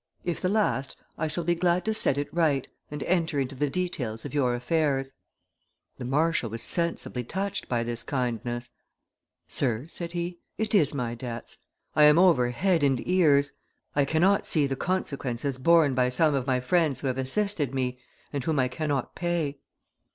If the last, I shall be glad to set it right, and enter into the details of your affairs.' The marshal was sensibly touched by this kindness: 'Sir,' said he, 'it is my debts; I am over head and ears. I cannot see the consequences borne by some of my friends who have assisted me, and whom I cannot pay.